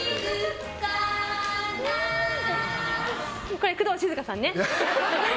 これ、工藤静香さんね。